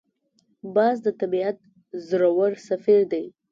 باز د طبیعت زړور سفیر دی